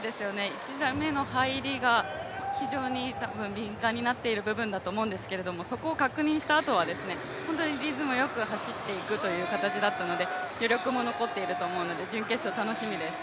１台目の入りが非常に敏感になっている部分だと思うんですけれども、そこを確認したあとは、本当にリズムよく走っていくという形だったので、余力も残っていると思うので、準決勝楽しみです。